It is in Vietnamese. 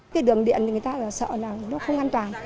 cái đường điện người ta sợ là nó không an toàn